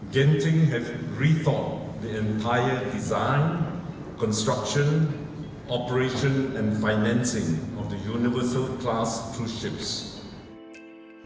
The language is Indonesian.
genting telah mencari penyelesaian pembinaan operasi dan penerbangan kapal pesiar kelas universal